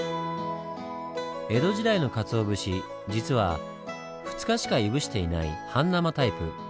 江戸時代のカツオ節実は２日しかいぶしていない半生タイプ。